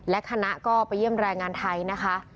และคณะก็ไปเยี่ยมแรงงานไทยนะคะ